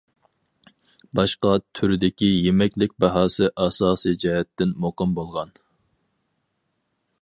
باشقا تۈردىكى يېمەكلىك باھاسى ئاساسىي جەھەتتىن مۇقىم بولغان.